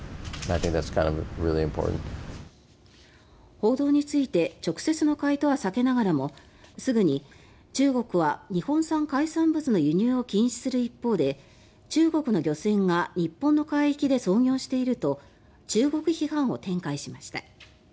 報道について直接の回答は避けながらもすぐに、中国は日本産海産物の輸入を禁止する一方で中国の漁船が日本の海域で操業していると中国批判を展開しました。